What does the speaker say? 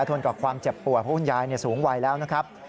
ทนกับความเจ็บป่วยเพราะคุณยายสูงวัยแล้วนะครับ